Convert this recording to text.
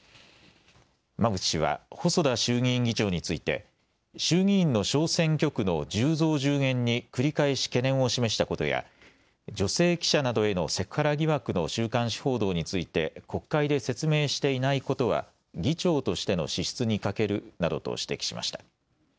馬淵氏は細田衆議院議長について衆議院の小選挙区の１０増１０減に繰り返し懸念を示したことや女性記者などへのセクハラ疑惑の週刊誌報道について国会で説明していないことは議長としての資質に欠けるなどと指摘しました。